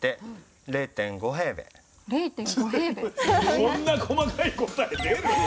こんな細かい答え出る？